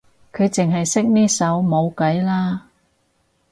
佢淨係識呢首冇計啦